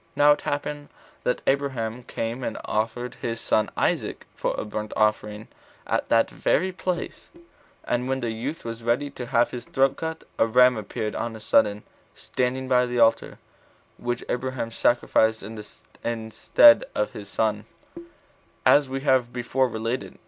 Now it happened that Abraham 24came and offered his son Isaac for a burnt offering at that very place; and when the youth was ready to have his throat cut, a ram appeared on a sudden, standing by the altar, which Abraham sacrificed in the stead of his son, as we have before related.